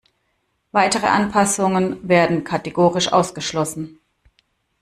Weitere Anpassungen werden kategorisch ausgeschlossen.